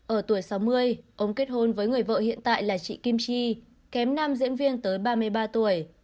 ở tuổi sáu mươi ông kết hôn với người vợ hiện tại là chị kim chi kém nam diễn viên tới ba mươi ba tuổi